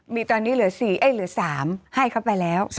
มีตอนนี้เหลือ๔เหลือ๓ให้เขาไปแล้ว